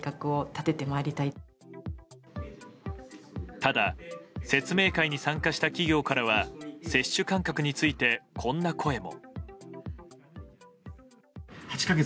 ただ、説明会に参加した企業からは接種間隔についてこんな声も。